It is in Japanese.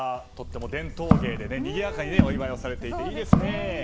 伝統芸でにぎやかにお祝いをされていていいですね。